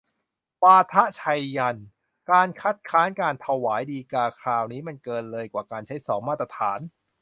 วาทะไชยันต์ : การคัดค้านการถวายฎีกาคราวนี้มันเกินเลยกว่าการใช้สองมาตรฐาน